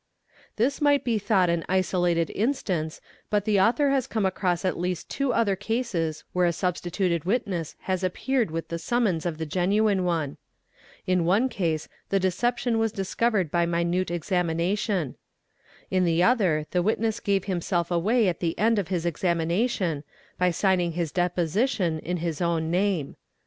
This might be thought an isolated instance but the author has come ~ across at least two other cases where a substituted witness has appeare with the summons of the genuine one. In one case the deception was discovered by minute examination; in the other the witness gave himsel away at the end of his examination, by signing his deposition in his owt name.